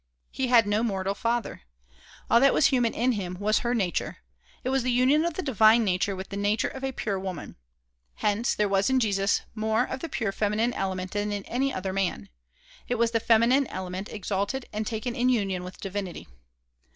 He had no mortal father. All that was human in him was her nature; it was the union of the divine nature with the nature of a pure woman. Hence there was in Jesus more of the pure feminine element than in any other man. It was the feminine element exalted and taken in union with divinity.